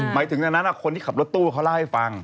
หมายถึงดังนั้นคนที่ขับรถตู้เขาเล่าให้ฟัง